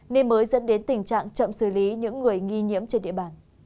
nên mới dẫn đến tình trạng covid một mươi chín